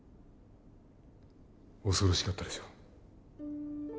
恐ろしかったでしょう？